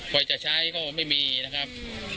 ไฟจะใช้เขาไม่มีนะครับ